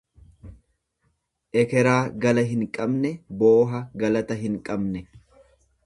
Ekeraa gala hin qabne booha galata hin qabne.